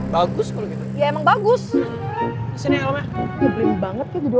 bagus kalau gitu